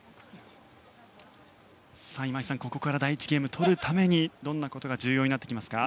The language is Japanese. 今井さん、ここから第１ゲームを取るためにどんなことが重要になりますか。